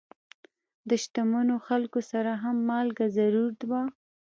د شتمنو خلکو سره هم مالګه ضرور وه.